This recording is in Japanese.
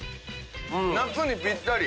夏にぴったり。